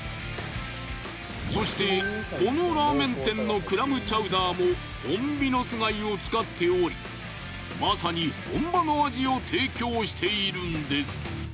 そしてこのラーメン店のクラムチャウダーもホンビノス貝を使っておりまさに本場の味を提供しているんです。